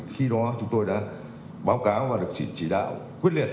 khi đó chúng tôi đã báo cáo và được chỉ đạo quyết liệt